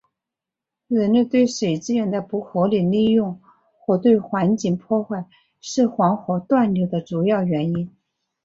人类对水资源的不合理利用和对环境的破坏是黄河断流的主要原因。